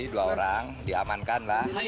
dua orang diamankan lah